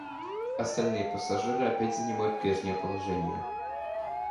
Остальные пассажиры опять занимают прежнее положение.